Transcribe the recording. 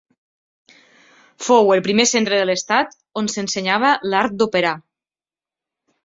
Fou el primer centre de l'Estat on s'ensenyava l'art d'operar.